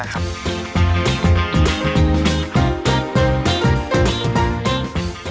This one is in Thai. ใช่ครับ